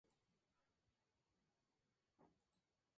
Los investigadores informaron que el Sgt.